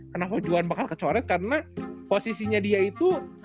kenapa cuma bakal kecoret karena posisinya dia itu